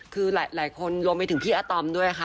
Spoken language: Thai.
คือหลายคนรวมไปถึงพี่อาตอมด้วยค่ะ